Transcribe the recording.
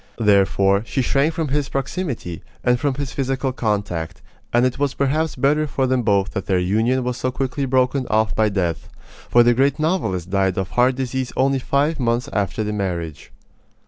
Therefore, she shrank from his proximity, and from his physical contact, and it was perhaps better for them both that their union was so quickly broken off by death; for the great novelist died of heart disease only five months after the marriage.